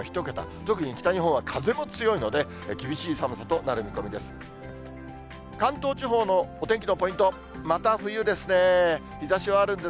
特に北日本は風も強いので、厳しい寒さとなる見込みです。